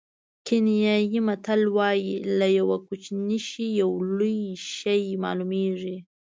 کینیايي متل وایي له یوه کوچني شي یو لوی شی معلومېږي.